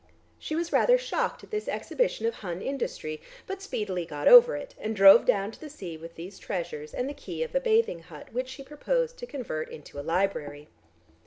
She was rather shocked at this exhibition of Hun industry, but speedily got over it, and drove down to the sea with these treasures and the key of a bathing hut which she proposed to convert into a library.